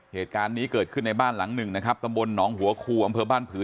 เหตุการณ์นี้เกิดขึ้นในบ้านหลังหนึ่งนะครับตำบลหนองหัวคูอำเภอบ้านผือ